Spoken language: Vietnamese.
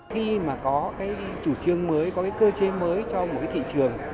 khi mà có cái chủ trương mới có cái cơ chế mới cho một cái thị trường